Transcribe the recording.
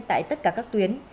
tại tất cả các tuyến